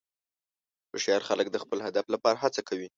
هوښیار خلک د خپل هدف لپاره هڅه کوي.